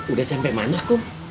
udah sampe mana kum